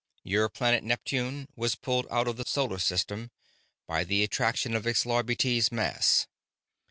Your planet Neptune was pulled out of the solar system by the attraction of Xlarbti's mass.